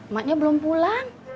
maknya belum pulang